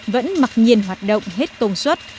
vẫn mặc nhiên hoạt động hết công suất